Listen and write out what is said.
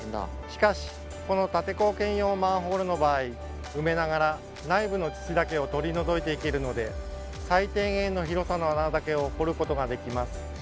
しかしこの立坑兼用マンホールの場合埋めながら内部の土だけを取り除いていけるので最低限の広さの穴だけを掘ることができます。